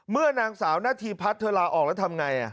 เมื่อนางสาวนทีพัฒน์ถือลาออกแล้วทำยังไง